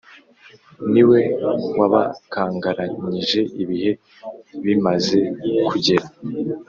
ni we wabakangaranyije ibihe bimaze kugera,